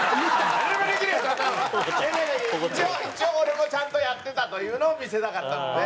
一応俺もちゃんとやってたというのを見せたかったので。